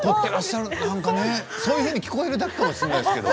そういうふうに聞こえるだけかもしれませんけど。